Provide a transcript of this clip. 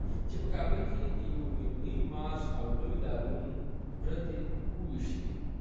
چې په کابل کې یې د يو ميليوني مارش او لوی لاريون ډرتې وويشتې.